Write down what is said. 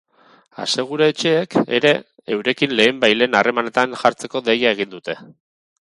Aseguru-etxeek ere eurekin lehenbailehen harremanetan jartzeko deia egin dute.